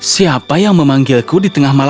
siapa yang memanggilku di tengah tengah ini